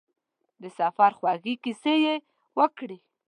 د سفر خوږې کیسې یې وکړې.